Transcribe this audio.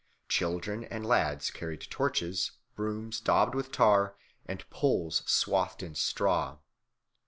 Children and lads carried torches, brooms daubed with tar, and poles swathed in straw.